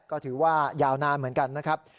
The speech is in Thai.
ก็ถือว่ายาวนานเหมือนกันนะครับ